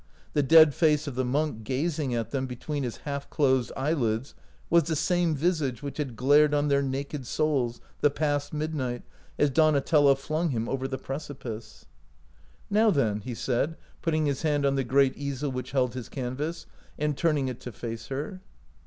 The dead face of the monk gazing at them between his half closed eyelids was the same visage which had glared on their naked souls the past midnight as Donatello flung him over the precipice/ Now then," 8 113 OUT OF BOHEMIA he said, putting his hand on the great easel which held his canvas, and turning it to face her.